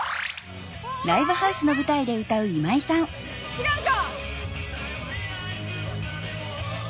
違うか。